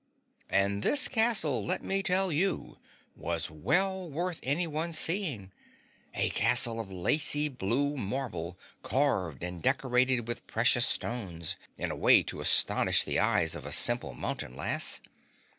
And this castle, let me tell you, was well worth anyone's seeing, a castle of lacy blue marble carved, and decorated with precious stones, in a way to astonish the eyes of a simple mountain lass.